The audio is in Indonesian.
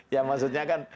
ya maksudnya kan